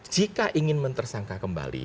jika ingin tersangka kembali